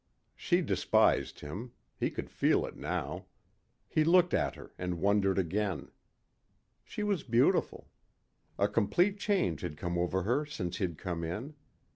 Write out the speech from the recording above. She despised him. He could feel it now. He looked at her and wondered again. She was beautiful. A complete change had come over her since he'd come in.